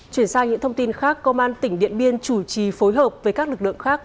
chuyển sang những thông tin khác công an tỉnh điện biên chủ trì phối hợp với các lực lượng khác